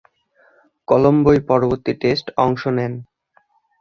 কলম্বোয় পরবর্তী টেস্টে অংশ নেন।